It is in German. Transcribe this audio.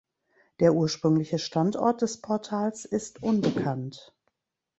Der ursprüngliche Standort des Portals ist unbekannt.